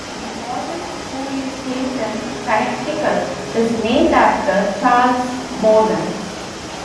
The Morgan School in Clinton, Connecticut is named after Charles Morgan.